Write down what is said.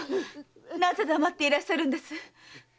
なぜ黙っていらっしゃるんです？